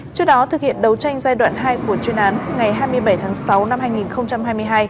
trước đó thực hiện đấu tranh giai đoạn hai của chuyên án ngày hai mươi bảy tháng sáu năm hai nghìn hai mươi hai